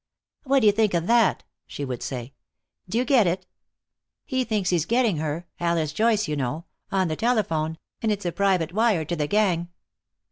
"What d'you think of that?" she would say. "D'you get it? He thinks he's getting her Alice Joyce, you know on the telephone, and it's a private wire to the gang."